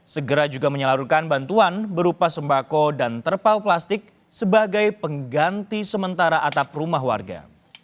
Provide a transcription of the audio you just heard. segera juga menyalurkan bantuan berupa sembako dan terpal plastik sebagai pengganti sementara atap rumah warga